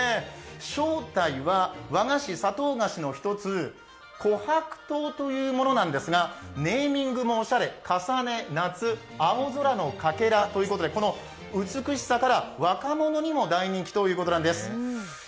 正体は和菓子、砂糖菓子の１つこはくとうというものなんですがネーミングもおしゃれ、Ｋａｓａｎｅ−夏−青空のかけらということでこの美しさから若者にも大人気ということなんです。